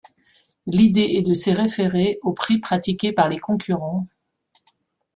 L'idée est de se référer aux prix pratiqués par les concurrents.